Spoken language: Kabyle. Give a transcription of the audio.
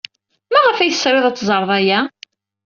Maɣef ay tesrid ad teẓred aya?